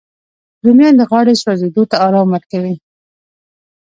رومیان د غاړې سوځېدو ته ارام ورکوي